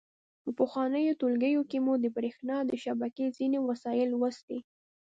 په پخوانیو ټولګیو کې مو د برېښنا د شبکې ځینې وسایل لوستي.